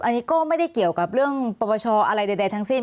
อันนี้ก็ไม่ได้เกี่ยวกับเรื่องปปชอะไรใดทั้งสิ้น